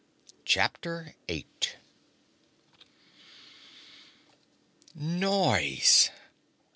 CHAPTER EIGHT Noise!